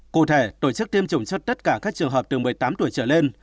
cụ thể tổ chức tiêm chủng cho tất cả các trường hợp từ một mươi tám tuổi trở lên